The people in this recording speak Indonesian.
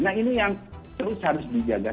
nah ini yang terus harus dijaga